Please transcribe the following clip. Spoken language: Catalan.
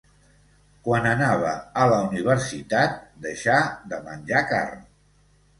Quan anava a la universitat deixà de menjar carn.